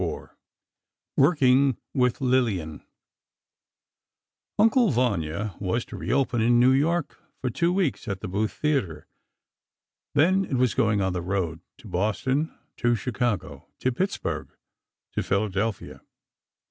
IV WORKING WITH LILLIAN "Uncle Vanya" was to reopen in New York for two weeks at the Booth Theatre, then it was going on the road—to Boston, to Chicago, to Pittsburgh, to Philadelphia.